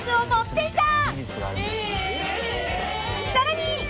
［さらに］